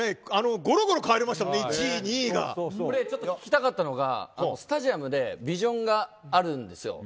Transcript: ごろごろ１位、２位が聞きたかったのが、スタジアムでビジョンがあるんですよ。